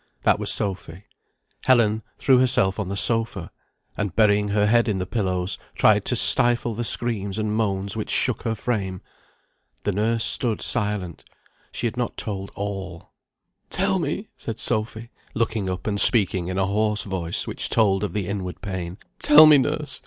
That was Sophy. Helen threw herself on the sofa, and burying her head in the pillows, tried to stifle the screams and moans which shook her frame. The nurse stood silent. She had not told all. "Tell me," said Sophy, looking up, and speaking in a hoarse voice, which told of the inward pain, "tell me, nurse!